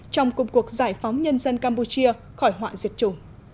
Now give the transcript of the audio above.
trong cuộc cuộc giải phóng nhân dân campuchia khỏi họa diệt chủ